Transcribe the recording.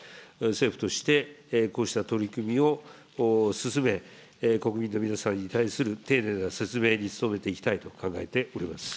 政府として、こうした取り組みを進め、国民の皆さんに対する丁寧な説明に努めていきたいと考えておりま